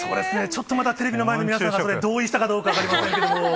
ちょっとまだテレビの前の皆さんが、同意したかどうかは、分かりませんけれども。